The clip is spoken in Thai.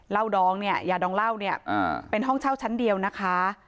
ดองเนี่ยยาดองเหล้าเนี่ยเป็นห้องเช่าชั้นเดียวนะคะ